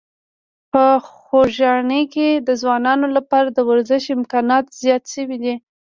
په خوږیاڼي کې د ځوانانو لپاره د ورزش امکانات زیات شوي دي.